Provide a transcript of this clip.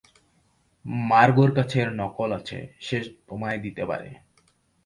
মার্গর কাছে এর নকল আছে, সে তোমায় দিতে পারে।